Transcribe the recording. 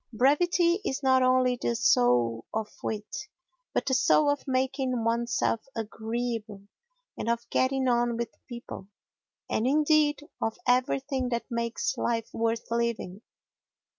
Brevity is not only the soul of wit, but the soul of making oneself agreeable and of getting on with people, and, indeed, of everything that makes life worth living.